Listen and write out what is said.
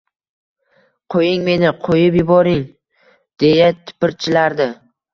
Qo'ying meni... qo'yib yuboring... —deya tipirchilardi.